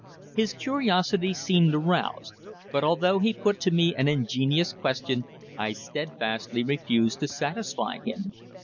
His curiosity seemed aroused; but, although he put to me an ingenious question, I steadfastly refused to satisfy him.